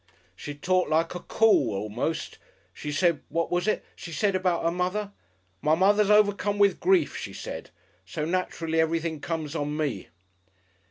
She talked like a call a'most. She said what was it she said about her mother? 'My mother's overcome with grief,' she said, 'so naturally everything comes on me.'"